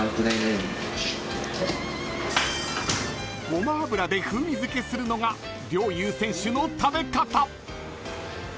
［ごま油で風味付けするのが陵侑選手の食べ方］